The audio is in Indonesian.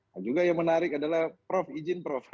nah juga yang menarik adalah prof izin prof